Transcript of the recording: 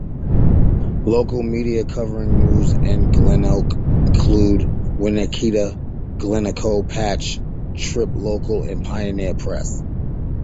Local media covering news in Glencoe include Winnetka-Glencoe Patch, TribLocal and Pioneer Press.